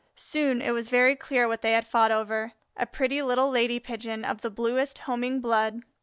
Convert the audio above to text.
Soon it was very clear what they had fought over a pretty little lady Pigeon of the bluest Homing blood.